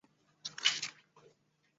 孔祥柯有二子二女